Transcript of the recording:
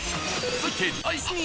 続いて第３位！